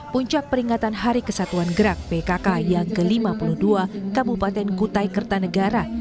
puncak peringatan hari kesatuan gerak pkk yang ke lima puluh dua kabupaten kutai kertanegara